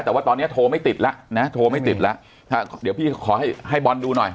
แต่ว่าตอนนี้โทรไม่ติดแล้วนะโทรไม่ติดแล้วถ้าเดี๋ยวพี่ขอให้ให้บอลดูหน่อย